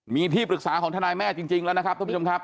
มีที่ปรึกษาของทนายแม่จริงแล้วนะครับท่านผู้ชมครับ